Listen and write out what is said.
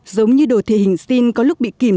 giống như đồ thị hình xin có lúc bị kìm